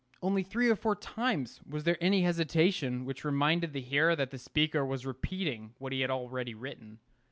Only three or four times was there any hesitation which reminded the hearer that the speaker was repeating what he had already written.